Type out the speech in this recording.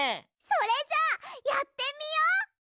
それじゃあやってみよう。